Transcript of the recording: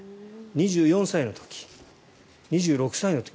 ２４歳の時、２６歳の時。